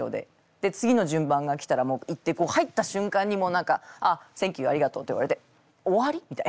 で次の順番が来たらもう行って入った瞬間に何かセンキューありがとうって言われて終わり？みたいな。